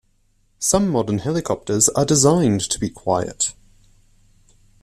Some modern helicopters are designed to be quiet.